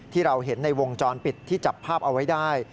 ที่เราเห็นในวงจรปิดที่จับภาพเอาไว้ได้